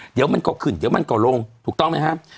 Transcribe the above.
เดี๋ยวมันก็ขึ้นเดี๋ยวมันก็ลงถูกต้องไหมครับ